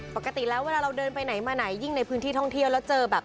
ปกติแล้วเวลาเราเดินไปไหนมาไหนยิ่งในพื้นที่ท่องเที่ยวแล้วเจอแบบ